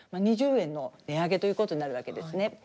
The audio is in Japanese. ２０円の値上げということになるわけですね。